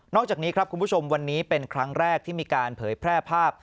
อกจากนี้ครับคุณผู้ชมวันนี้เป็นครั้งแรกที่มีการเผยแพร่ภาพ